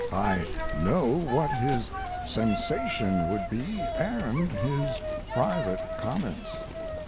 I know, what his sensation would be and his private comments.